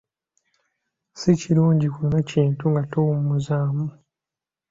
Si kirungi kunywa kintu nga towummuzzaamu.